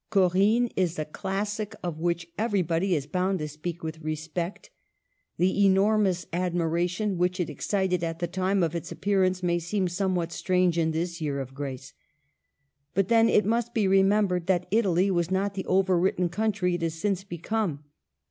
Corinne is a classic of which everybody is bound to speak with respect. The enormous admiration which it excited at the time of its appearance may seem somewhat strange in this year of grace ; but then it must be remem bered that Italy was not the overwritten cowutry it has since become.